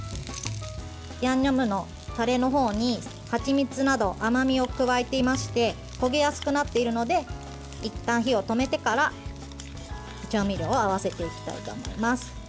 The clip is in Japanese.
ヤンニョムのタレのほうにはちみつなど甘みを加えていまして焦げやすくなっているのでいったん火を止めてから調味料を合わせていきたいと思います。